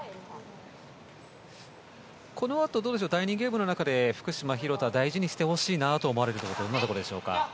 このあと第２ゲームの中で福島、廣田大事にしてほしいなと思われるところはどんなところでしょうか？